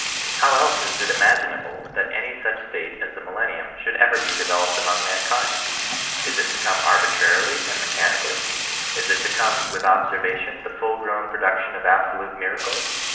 How else is it imaginable that any such state as the millen nium should ever be developed among mankind ? Is it to come arbitrarily and mechanically ? Is it to come ^' with observation," the full grown production of some absolute miracle